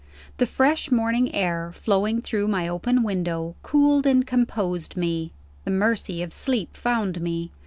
The fresh morning air, flowing through my open window, cooled and composed me; the mercy of sleep found me.